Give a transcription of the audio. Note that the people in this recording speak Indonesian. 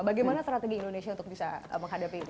bagaimana strategi indonesia untuk bisa menghadapi itu